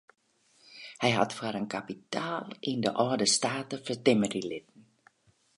Hy hat foar in kapitaal yn de âlde state fertimmerje litten.